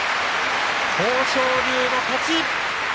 豊昇龍の勝ち。